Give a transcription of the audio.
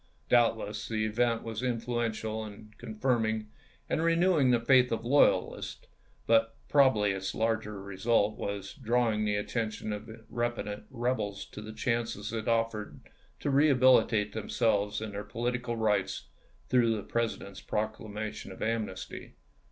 Doubtless the event was influential in confirming and renewing the faith of loyalists ; but probably its larger result was in drawing the atten tion of repentant rebels to the chances it offered to rehabilitate themselves in their political rights through the President's proclamation of amnesty.